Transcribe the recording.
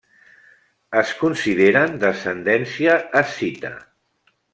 Es consideren d'ascendència escita.